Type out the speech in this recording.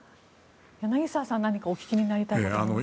柳澤さん何かお聞きになりたいことありますか。